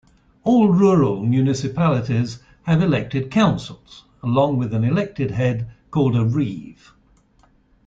All rural municipalities have elected councils, along with an elected head called a reeve.